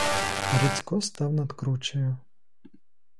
Грицько став над кручею.